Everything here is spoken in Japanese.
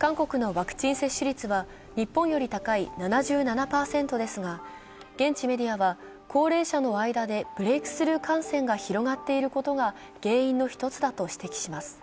韓国のワクチン接種率は日本より高い７７％ですが、現地メディアは、高齢者の間でブレークスルー感染が広がっていることが原因の１つだと指摘します。